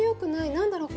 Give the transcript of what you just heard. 何だろう